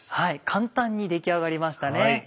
簡単に出来上がりましたね。